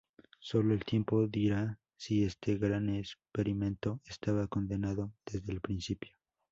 Solo el tiempo dirá si este "gran experimento" estaba condenado desde el principio.